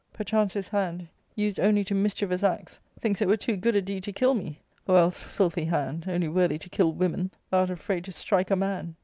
Perchance this hand, used only to mischievous acts, thinks it were too good a deed to kill me ; or else, filthy hand, only worthy to kill women, thou art afraid to strike a man.